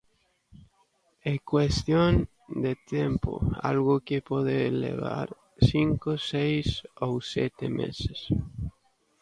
É cuestión de tempo, algo que pode levar cinco, seis ou sete meses.